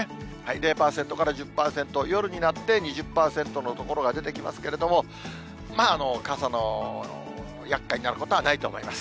０％から１０％、夜になって２０％の所が出てきますけれども、まあ、傘のやっかいになることはないと思います。